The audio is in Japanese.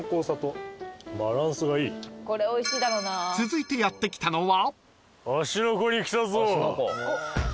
［続いてやって来たのは］